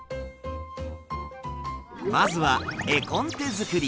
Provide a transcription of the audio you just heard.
まずは絵コンテ作り。